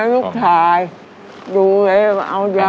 ทุกท่านลูก